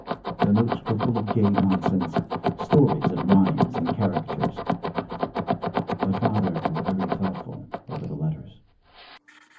The notes were full of gay nonsense, stories and rhymes and caricatures; but father grew very thoughtful over the letters.